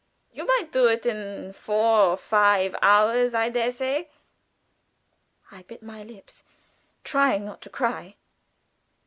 You might do it in four or five hours, I dare say." I bit my lips, trying not to cry.